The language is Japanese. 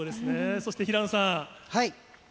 そして平野さん。